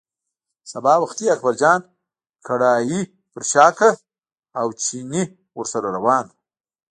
سبا وختي اکبرجان کړایی پر شا کړه او چيني ورسره روان و.